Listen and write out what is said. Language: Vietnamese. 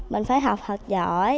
mình phải học hợp giỏi